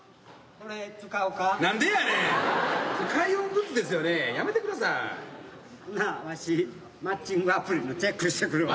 ほなわしマッチングアプリのチェックしてくるわ。